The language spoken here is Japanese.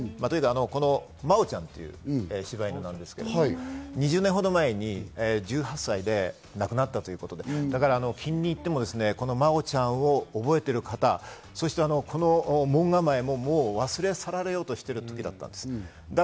このマオちゃんという柴犬ですけれども、２０年ほど前に１８歳で亡くなったということで、聞きに行ってもマオちゃんを覚えている方、そしてこの門構え、忘れ去られようとしている時だったんです。